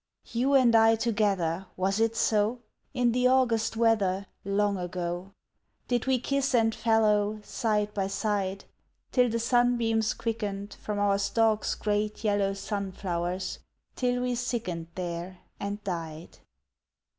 You and I together Was it so? In the August weather Long ago! Did we kiss and fellow, Side by side, Till the sunbeams quickened From our stalks great yellow Sunflowers, till we sickened There and died?